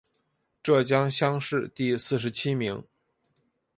浙江乡试第四十七名。